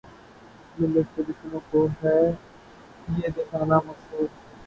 ملت کے دشمنوں کو ھے یہ دیکھنا مقصود